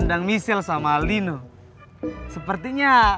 tapi kasian disini